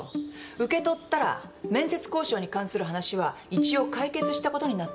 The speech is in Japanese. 受け取ったら面接交渉に関する話は一応解決したことになってしまう。